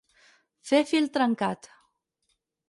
Fer fil trencat.